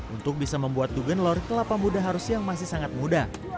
untuk bisa membuat tugen lor kelapa muda harus yang masih sangat muda